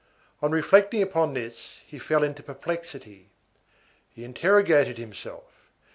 On reflecting upon this, he fell into perplexity. He interrogated himself.